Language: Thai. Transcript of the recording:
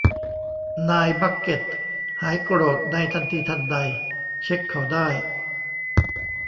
นายบัคเก็ต หายโกรธในทันทีทันใด เช็คเขาได้